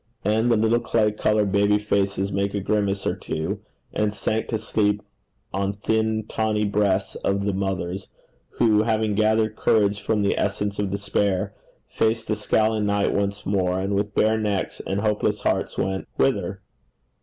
And the little clay coloured baby faces made a grimace or two, and sank to sleep on the thin tawny breasts of the mothers, who having gathered courage from the essence of despair, faced the scowling night once more, and with bare necks and hopeless hearts went whither?